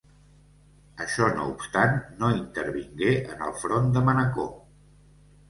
Això no obstant, no intervingué en el front de Manacor.